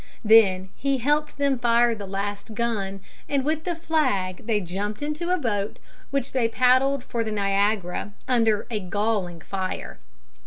Then he helped them fire the last gun, and with the flag they jumped into a boat which they paddled for the Niagara under a galling fire.